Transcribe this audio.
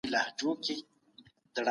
روڼتیا په دولتي ادارو کي لازمه ده.